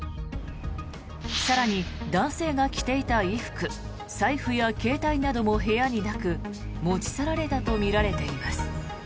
更に男性が着ていた衣服財布や携帯なども部屋になく持ち去られたとみられています。